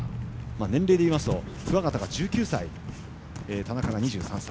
年齢でいいますと桑形が１９歳田中が２３歳。